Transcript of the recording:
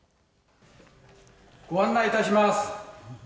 「ご案内致します」